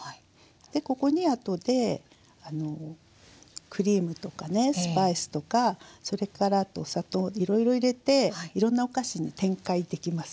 でここにあとでクリームとかねスパイスとかそれからあとお砂糖いろいろ入れていろんなお菓子に展開できますから。